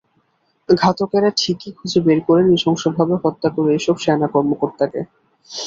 ঘাতকেরা ঠিকই খুঁজে বের করে নৃশংসভাবে হত্যা করে এসব সেনা কর্মকর্তাকে।